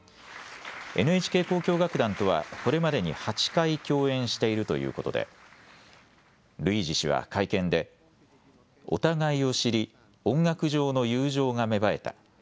ＮＨＫ交響楽団とはこれまでに８回共演しているということでルイージ氏は会見でお互いを知り音楽上の友情が芽生えた。